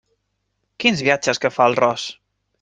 Quins viatges que fa el ros!